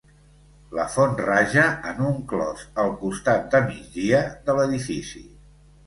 La font raja, en un clos, al costat de migdia de l'edifici.